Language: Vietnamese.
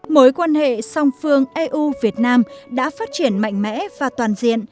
mối quan hệ song phương eu việt nam đã phát triển mạnh mẽ và toàn diện